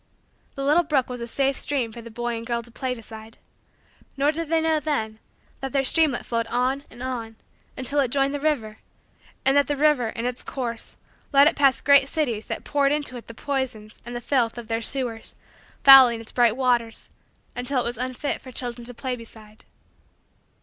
The little brook was a safe stream for the boy and the girl to play beside. Nor did they know, then, that their streamlet flowed on and on until it joined the river; and that the river, in its course, led it past great cities that poured into it the poisons and the filth of their sewers, fouling its bright waters, until it was unfit for children to play beside.